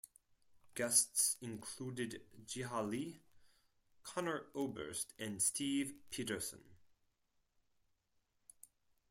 Guests included Jiha Lee, Conor Oberst and Steve Pedersen.